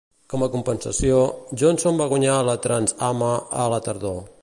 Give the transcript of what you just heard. Com a compensació, Jonsson va guanyar la Trans-AMA a la tardor.